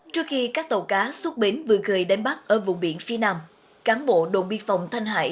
trước khi các tàu cá xuất bến vừa gửi đến bắc ở vùng biển phía nam cán bộ đồn biên phòng thanh hải